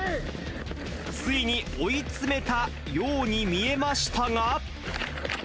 ついに追い詰めたように見えましたが。